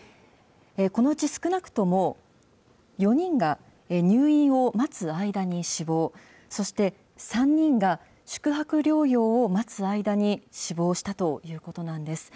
このうち、少なくとも４人が入院を待つ間に死亡、そして３人が宿泊療養を待つ間に死亡したということなんです。